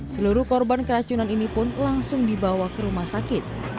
seluruh korban keracunan ini pun langsung dibawa ke rumah sakit